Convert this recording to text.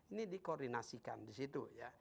ini di koordinasikan disitu